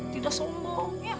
tidak sombong ya